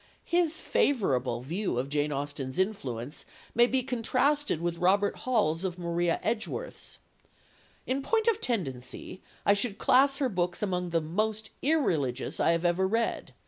His favourable view of Jane Austen's influence may be contrasted with Robert Hall's of Maria Edgeworth's: "In point of tendency I should class her books among the most irreligious I ever read....